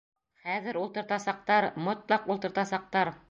Хәҙер ултыртасаҡтар, мотлаҡ ултыртасаҡтар.